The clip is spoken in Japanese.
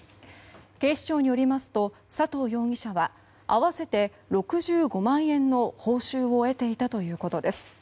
警視庁によりますと佐藤容疑者は合わせて６５万円の報酬を得ていたということです。